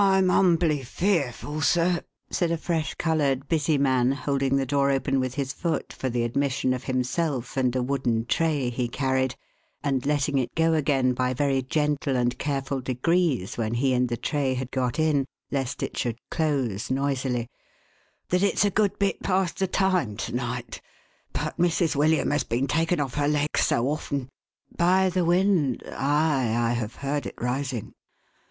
"I'm humbly fearful, sir,"" said a fresh coloured busy man, holding the door open with his foot for the admission of himself and a wooden tray he carried, and letting it go again by very gentle and careful degrees, when he and the tray had got in, lest it should close noisily, " that it's a good bit past the time to night. But Mrs. William has been taken off' her legs so often "" By the wind ? Ay ! I have heard it rising."